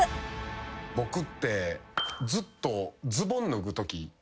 僕ってずっと。